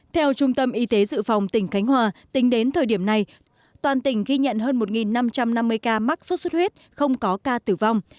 theo trung tâm y tế dự phòng tỉnh khánh hòa tính đến thời điểm này toàn tỉnh ghi nhận hơn một năm trăm năm mươi ca mắc sốt xuất huyết không có ca tử vong